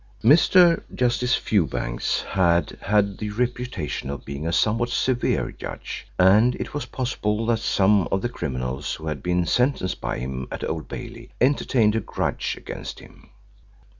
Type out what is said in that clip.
Mr. Justice Fewbanks had had the reputation of being a somewhat severe judge, and it was possible that some of the criminals who had been sentenced by him at Old Bailey entertained a grudge against him.